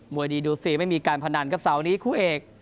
วยดีดูฟรีไม่มีการพนันครับเสาร์นี้คู่เอก